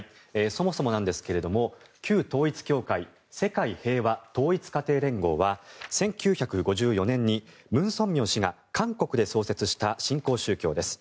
そもそもなんですが旧統一教会世界平和統一家庭連合は１９５４年にムン・ソンミョン氏が韓国で創設した新興宗教です。